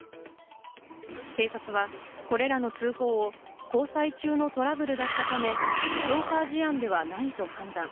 警察はこれらの通報を交際中のトラブルだったため、ストーカー事案ではないと判断。